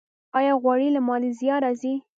آیا غوړي له مالیزیا راځي؟